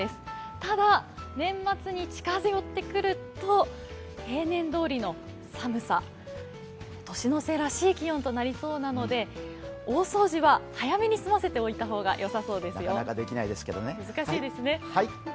ただ、年末に近づいてくると平年どおりの寒さ、年の瀬らしい気温となりそうなので、大掃除は早めに済ませておいた方がよさそうですよ。